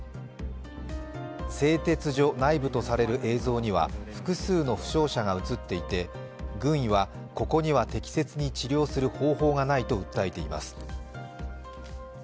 製鉄所内部とされる映像には複数の負傷者が映っていて軍医は、ここには適切に治療する方法がないと訴えています。